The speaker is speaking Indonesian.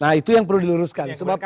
nah itu yang perlu diluruskan